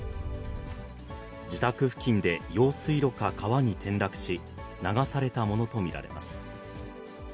自宅付近で用水路か川に転落し、流されたものと見られます。